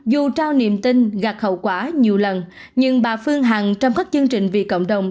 dù trao niềm tin gạt hậu quả nhiều lần nhưng bà phương hằng trong các chương trình vì cộng đồng